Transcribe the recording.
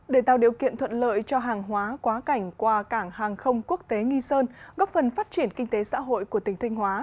để tạo điều kiện thuận lợi cho hàng hóa quá cảnh qua cảng hàng không quốc tế nghi sơn góp phần phát triển kinh tế xã hội của tỉnh thanh hóa